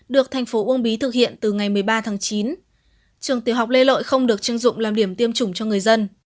được tp ub thực hiện từ ngày một mươi ba tháng chín trường tiểu học lê lợi không được chứng dụng làm điểm tiêm chủng cho người dân